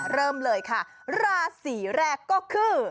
เริ่มเลยค่ะราศีแรกก็คือ